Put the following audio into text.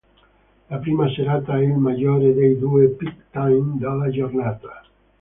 La prima serata è il maggiore dei due "peak time" della giornata.